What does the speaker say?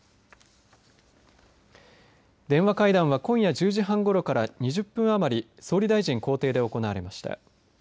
電話会談は今夜１０時半ごろから２０分余り総理大臣公邸で行われました。